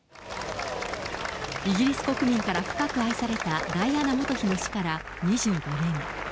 イギリス国民から深く愛されたダイアナ元妃の死から２５年。